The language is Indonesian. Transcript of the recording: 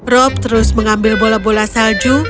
rob terus mengambil bola bola salju